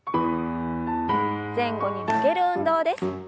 前後に曲げる運動です。